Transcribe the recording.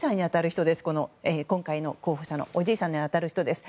今回の候補者のおじいさんに当たる人ですね。